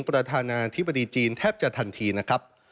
ประธานาธิบดีจีนแทบจะทันทีนะครับ